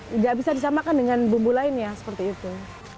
tidak bisa disamakan dengan bumbu lainnya seperti itu